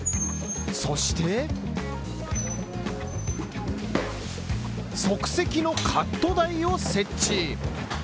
そして、即席のカット台を設置。